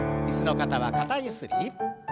椅子の方は肩ゆすり。